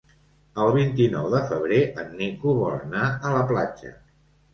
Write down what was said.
El vint-i-nou de febrer en Nico vol anar a la platja.